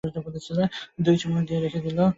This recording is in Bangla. দুই চুমুক দিয়ে রেখে দিল।